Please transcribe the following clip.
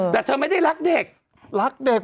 แต่เธอไม่ได้รักเด็ก